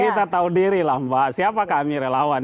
kita tahu dirilah mbak siapa kami relawan